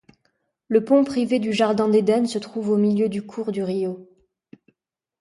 Le pont privé du Jardin d'Eden se trouve au milieu du cours du rio.